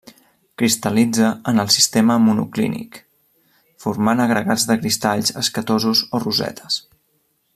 Cristal·litza en el sistema monoclínic formant agregats de cristalls escatosos o rosetes.